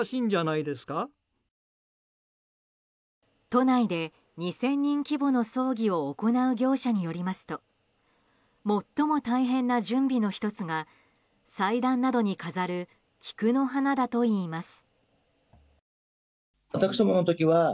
都内で２０００人規模の葬儀を行う業者によりますと最も大変な準備の１つが祭壇などに飾る菊の花だといいます。